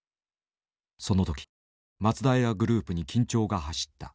その時松平グループに緊張が走った。